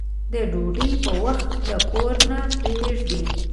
د ډوډۍ په وخت له کوره نه پرېږدي.